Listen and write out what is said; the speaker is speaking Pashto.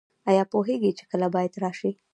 ایا پوهیږئ چې کله باید راشئ؟